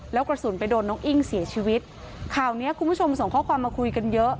แล้วกระสุนไปโดนน้องอิ้งเสียชีวิตข่าวเนี้ยคุณผู้ชมส่งข้อความมาคุยกันเยอะ